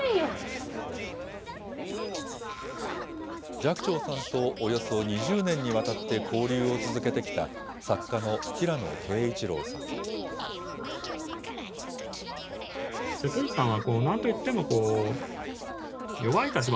寂聴さんとおよそ２０年にわたって交流を続けてきた、作家の平野啓一郎さんは。